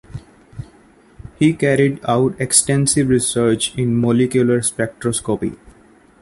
He carried out extensive research in molecular spectroscopy.